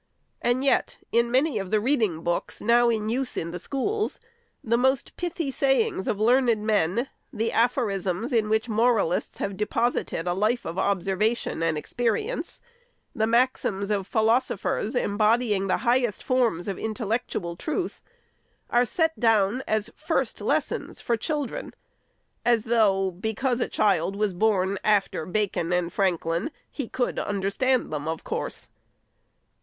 And yet, in many of the reading books now in use in the schools, the most pithy sayings of learned men ; the aphorisms in which moralists have deposited a life of observation and expe rience ; the maxims of philosophers, embodying the high est forms of intellectual truth, are set down as First Les sons for children; — as though, because a child was born after Bacon and Franklin, he could understand them of course.